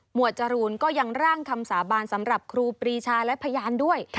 วดจรูนก็ยังร่างคำสาบานสำหรับครูปรีชาและพยานด้วย